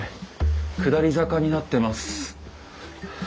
下り坂になってます。